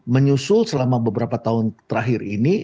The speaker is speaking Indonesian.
menyusul selama beberapa tahun terakhir ini